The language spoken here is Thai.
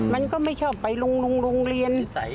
มันก็ไม่ชอบไปโรงเรียน